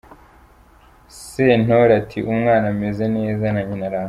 Sentore ati “Umwana ameze neza, na nyina araho.